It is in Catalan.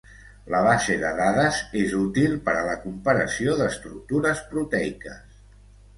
La base de dades és útil per a la comparació d'estructures proteiques.